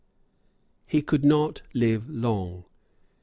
He could not live long.